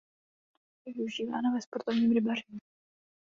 Je využívaná ve sportovním rybaření.